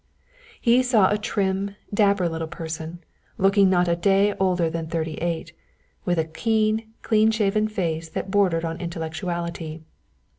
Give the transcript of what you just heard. He saw a trim, dapper little person, looking not a day older than thirty eight, with a keen, clean shaven face that bordered on intellectuality.